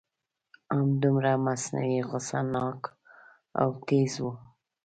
همدومره مصنوعي غصه ناک او تیز و.